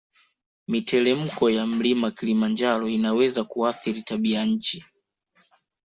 Mitelemko ya mlima kilimanjaro inaweza kuathiri tabia ya nchi